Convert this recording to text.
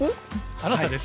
あなたです。